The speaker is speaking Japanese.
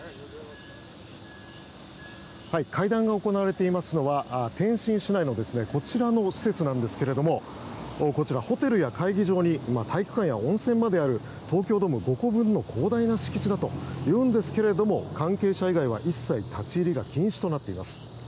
会談が行われていますのは天津市内のこちらの施設なんですがこちら、ホテルや会議場に体育館や温泉まである東京ドーム５個分の広大な敷地だというんですが関係者以外は一切立ち入りが禁止となっています。